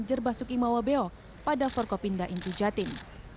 jerbah sukimawa beo pada forkopinda intu jatim